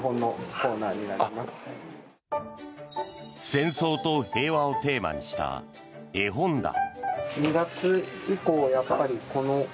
戦争と平和をテーマにした絵本だ。